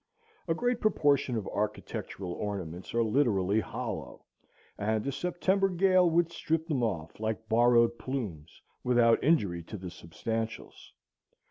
A great proportion of architectural ornaments are literally hollow, and a September gale would strip them off, like borrowed plumes, without injury to the substantials.